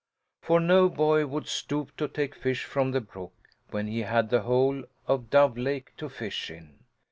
For no boy would stoop to take fish from the brook, when he had the whole of Dove Lake to fish in.